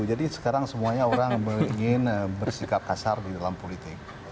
sekarang semuanya orang ingin bersikap kasar di dalam politik